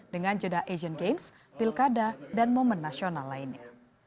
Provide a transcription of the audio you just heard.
dengan jeda asian games pilkada dan momen nasional lainnya